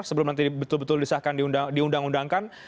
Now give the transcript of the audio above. sebelum nanti betul betul disahkan diundang undangkan